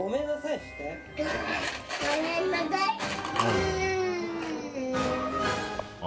ごめんなさいして。